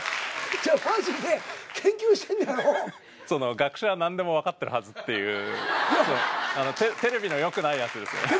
学者は何でも分かってるはずっていうテレビのよくないやつですね。